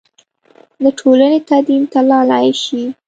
د ټولنې تدین تللای شي.